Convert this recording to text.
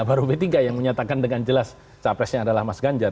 baru p tiga yang menyatakan dengan jelas capresnya adalah mas ganjar